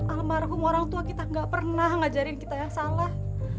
almarhum orang tua kita gak pernah ngajarin kita yang salah